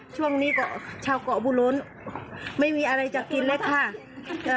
ช่วงนี้ชาวเกาะบุรนไม่มีอะไรจะกินเลยค่ะ